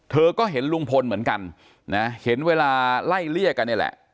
เธอก็เห็นลุงพลเหมือนกันนะเห็นเวลาไล่เลี่ยกันนี่แหละ